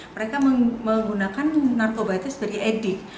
mereka menggunakan narkobitis sebagai edik